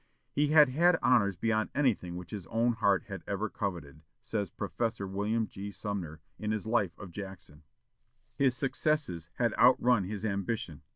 "He had had honors beyond anything which his own heart had ever coveted," says Prof. William G. Sumner, in his life of Jackson. "His successes had outrun his ambition.